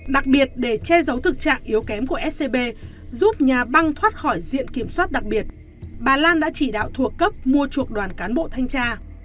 đặc biệt để che giấu thực trạng yếu kém của scb giúp nhà băng thoát khỏi diện kiểm soát đặc biệt bà lan đã chỉ đạo thuộc cấp mua chuộc đoàn cán bộ thanh tra